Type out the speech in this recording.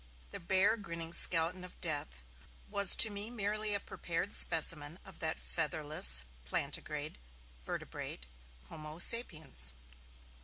The 'bare grinning skeleton of death' was to me merely a prepared specimen of that featherless plantigrade vertebrate, 'homo sapiens'.